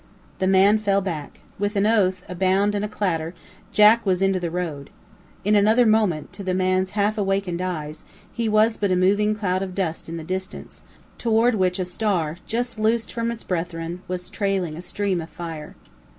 The man fell back. With an oath, a bound, and clatter, Jack was into the road. In another moment, to the man's half awakened eyes, he was but a moving cloud of dust in the distance, toward which a star just loosed from its brethren was trailing a stream of fire.